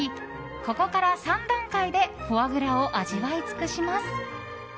ここから３段階でフォアグラを味わい尽くします。